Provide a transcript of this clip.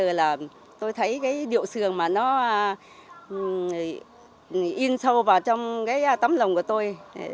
thế là tôi thấy cái điệu sườn mà nó in sâu vào trong cái tấm lòng của tôi